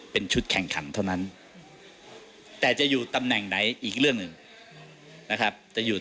พร้อมกันหน้านี้นะครับ